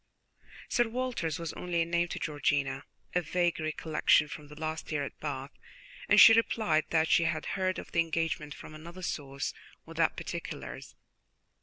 Sir Walter's was only a name to Georgiana, a vague recollection from the last year at Bath, and she replied that she had heard of the engagement from another source, without particulars.